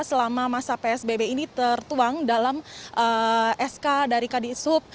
selama masa psbb ini tertuang dalam sk dari kadisub